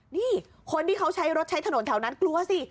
นี่คนที่เขาใช้รถใช้ถนนแถวนั้นกลัวสิ